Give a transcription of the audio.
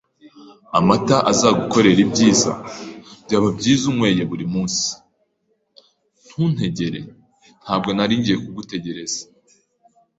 Amata azagukorera ibyiza. Byaba byiza unyweye buri munsi. " Ntuntegere ." "Ntabwo nari ngiye kugutegereza."